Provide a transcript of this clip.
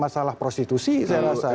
masalah prostitusi saya rasa